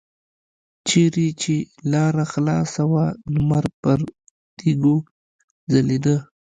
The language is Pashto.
چېرته چې لاره خلاصه وه لمر پر تیږو ځلیده.